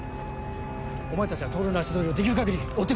お前たちは透の足取りをできる限り追ってくれ。